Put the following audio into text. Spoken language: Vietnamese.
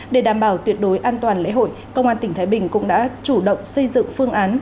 để đảm bảo tuyệt đối an toàn lễ hội công an tỉnh thái bình cũng đã chủ động xây dựng phương án